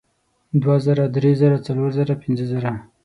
دوه زره درې زره څلور زره پینځه زره